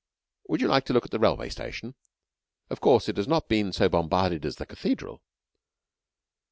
Would you like to look at the railway station? Of course, it has not been so bombarded as the cathedral."